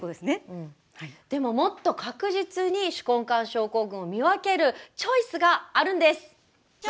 でももっと確実に手根管症候群を見分けるチョイスがあるんです！